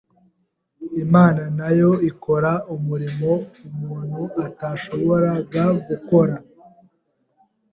Imana na Yo ikora umurimo umuntu atashoboraga gukora